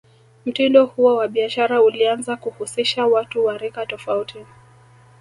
mtindo huo wa Biashara ulianza kuhusisha Watu wa rika tofauti